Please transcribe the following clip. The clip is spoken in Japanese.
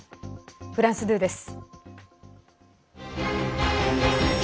フランス２です。